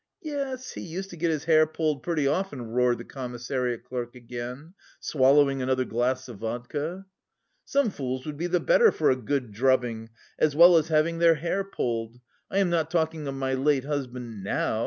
"Yes, he used to get his hair pulled pretty often," roared the commissariat clerk again, swallowing another glass of vodka. "Some fools would be the better for a good drubbing, as well as having their hair pulled. I am not talking of my late husband now!"